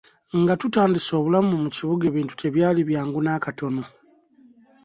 Nga tutandise obulamu mu kibuga ebintu tebyali byangu n'akatono.